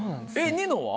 ニノは？